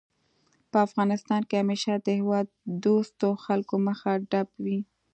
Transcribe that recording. په افغانستان کې همېشه د هېواد دوستو خلکو مخه ډب وي